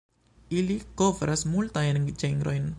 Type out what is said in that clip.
Ili kovras multajn ĝenrojn.